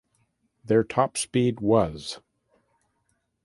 Their top speed was